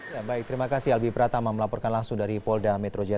ya baik terima kasih albi pratama melaporkan langsung dari polda metro jaya